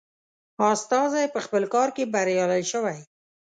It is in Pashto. استازی په خپل کار کې بریالی شوی.